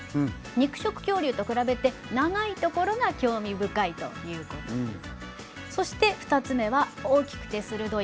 肉食恐竜と比べて短いところがなんともかわいいということです。